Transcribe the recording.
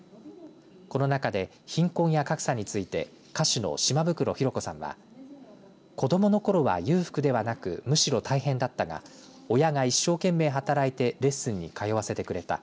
この中で貧困や格差について歌手の島袋寛子さんは子どものころは裕福ではなくむしろ大変だったが親が一生懸命、働いてレッスンに通わせてくれた。